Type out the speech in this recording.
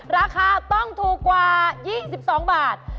ราคาต้องถูกกว่า๒๒บาท